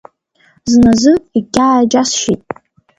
Зназы егьааџьасшьеит.